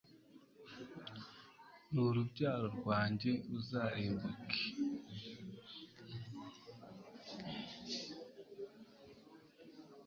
n'urubyaro rwanjye ruzarimbuke